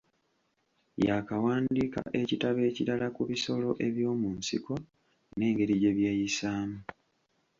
Yaakawandiika ekitabo ekirala ku bisolo eby’omu nsiko n’engeri gye byeyisaamu.